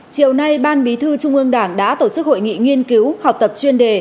chiều nay ban bí thư trung ương đảng đã tổ chức hội nghị nghiên cứu học tập chuyên đề